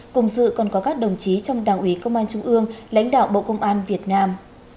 cùng dự còn có các đồng chí trong đảng ủy công an trung ương lãnh đạo bộ công an việt nam